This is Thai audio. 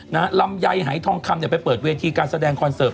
ลำไยหายทองคำเนี่ยไปเปิดเวทีการแสดงคอนเสิร์ต